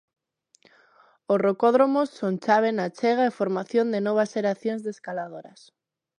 Os rocódromos son chave na achega e formación de novas xeracións de escaladoras.